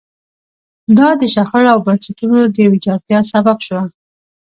دا د شخړو او بنسټونو د ویجاړتیا سبب شوه.